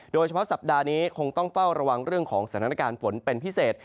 สัปดาห์นี้คงต้องเฝ้าระวังเรื่องของสถานการณ์ฝนเป็นพิเศษ